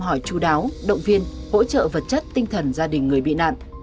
hỏi chú đáo động viên hỗ trợ vật chất tinh thần gia đình người bị nạn